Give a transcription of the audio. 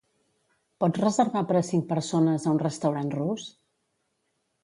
Pots reservar per a cinc persones a un restaurant rus?